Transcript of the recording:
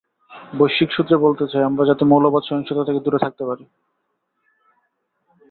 বৈশ্বিক সূত্রে বলতে চাই আমরা যাতে মৌলবাদ, সহিংসতা থেকে দূরে থাকতে পারি।